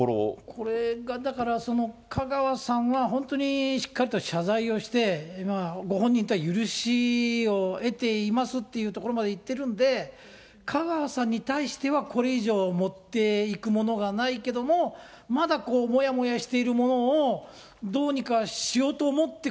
これがだから、香川さんは本当にしっかりと謝罪をして、ご本人から許しを得ていますってところまでいってるんで、香川さんに対しては、これ以上持っていくものがないけれども、まだもやもやしているものをどうにかしようと思って、